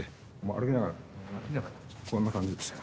歩きながらこんな感じですよ。